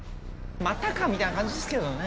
「またか」みたいな感じですけどね。